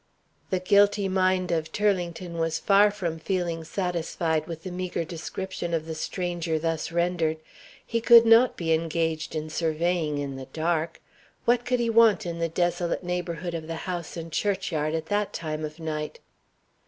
The guilty mind of Turlington was far from feeling satisfied with the meager description of the stranger thus rendered. He could not be engaged in surveying in the dark. What could he want in the desolate neighborhood of the house and church yard at that time of night?